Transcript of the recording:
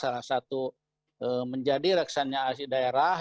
salah satu menjadi reksanya asli daerah